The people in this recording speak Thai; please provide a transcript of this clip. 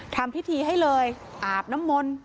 ทำพิธีให้เลยอาบน้ำมนต์